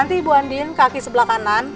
nanti ibu andin kaki sebelah kanan